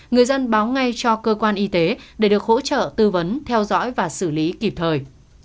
người dân báo ngay cho cơ quan y tế để được hỗ trợ tư vấn theo dõi và xử lý kịp thời